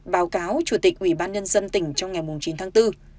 báo cáo chủ tịch ủy ban nhân dân tỉnh trong ngày chín tháng bốn